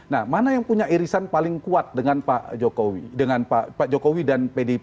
nah mana yang punya irisan paling kuat dengan pak jokowi dengan pak jokowi dan pdip